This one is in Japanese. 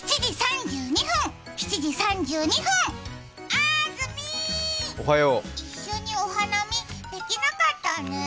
あずみー、一緒にお花見できなかったね。